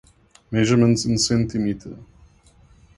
Measurements in cm.